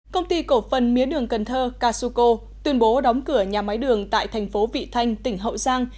công ty cổ phần mía đường cần thơ casuco tuyên bố đóng cửa nhà máy đường tại thành phố vị thanh tỉnh hậu giang